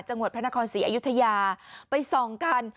จังหวัดพระนครศรีอยุธยาไปส่องกัน